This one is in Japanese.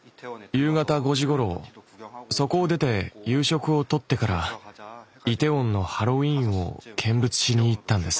夕方５時ごろそこを出て夕食をとってからイテウォンのハロウィーンを見物しに行ったんです。